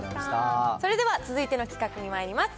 それでは続いての企画にまいります。